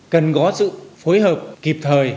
cần có sự phối hợp kịp thời